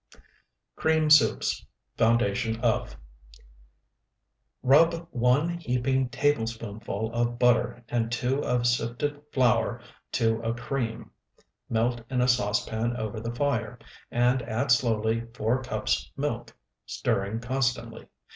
CREAM SOUPS, FOUNDATION OF Rub one heaping tablespoonful of butter and two of sifted flour to a cream; melt in a saucepan over the fire, and add slowly four cups milk, stirring constantly.